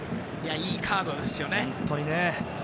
いいカードですよね。